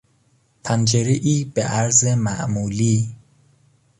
پنجرهای به عرض معمولی